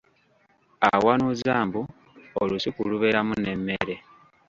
Awanuuza mbu olusuku lubeeremu n'emmere.